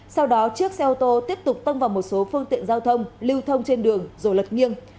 sau đó chiếc xe ô tô tiếp tục tông vào một số phương tiện giao thông lưu thông trên đường rồi lật nghiêng